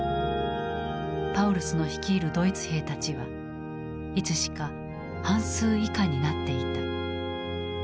パウルスの率いるドイツ兵たちはいつしか半数以下になっていた。